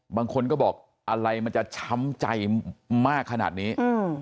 บางคนก็บอกอะไรมันจะช้ำใจมากขนาดนี้